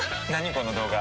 この動画。